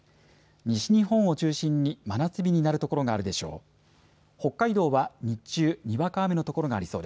西日本を中心に真夏日になるところがあるでしょう。